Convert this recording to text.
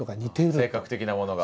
性格的なものが。